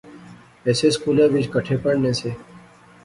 ہیسے سکولے وچ کٹھے پڑھنے سے